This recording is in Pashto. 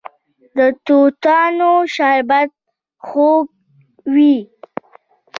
د توتانو شربت خوږ وي.